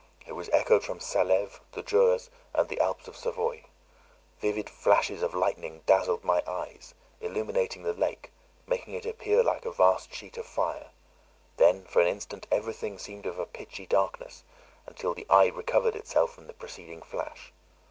It was echoed from Salêve, the Juras, and the Alps of Savoy; vivid flashes of lightning dazzled my eyes, illuminating the lake, making it appear like a vast sheet of fire; then for an instant every thing seemed of a pitchy darkness, until the eye recovered itself from the preceding flash.